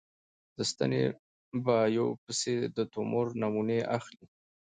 د ستنې بایوپسي د تومور نمونې اخلي.